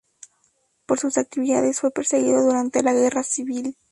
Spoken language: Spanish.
Por sus actividades, fue perseguido durante la Guerra Civil.